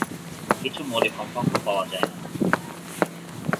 কিছু মৌলিক কম্পাঙ্ক পাওয়া যায়না।